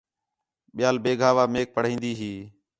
ٻِیال بیگھا وا میک پڑھائین٘دی ہی